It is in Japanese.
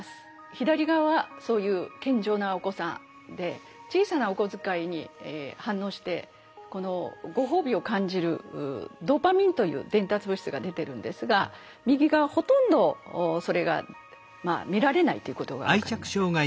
左側はそういう健常なお子さんで小さなお小遣いに反応してこのご褒美を感じるドーパミンという伝達物質が出てるんですが右側ほとんどそれが見られないということが分かりました。